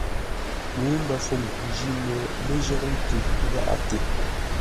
Ŋuu mbəfuŋ jî no lə̂ ləjərə́ nkʉ gháʼate.